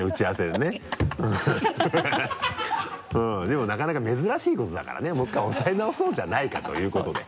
でもなかなか珍しいことだからねもう１回押さえ直そうじゃないかということで。